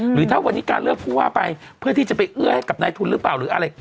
หรือถ้าวันนี้การเลือกผู้ว่าไปเพื่อที่จะไปเอื้อให้กับนายทุนหรือเปล่าหรืออะไร